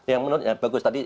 yang menurut bagus tadi